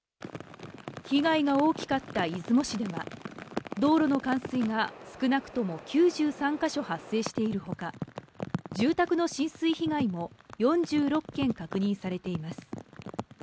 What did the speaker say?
被害が大きかった出雲市では、道路の冠水が少なくとも９３か所発生しているほか、住宅の浸水被害も４６件確認されています。